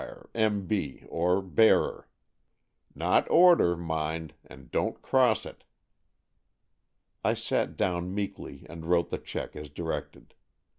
M.B., or bearer. Not order, mind, and don't cross it." I sat down meekly and wrote the cheque as directed.